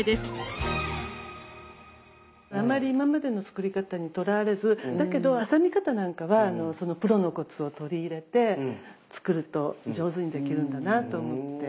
あまり今までの作り方にとらわれずだけど挟み方なんかはそのプロのコツを取り入れて作ると上手にできるんだなあと思って。